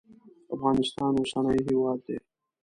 افغانستان اوسنی هیواد دی.